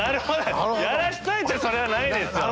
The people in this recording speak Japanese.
やらしといてそれはないですよ。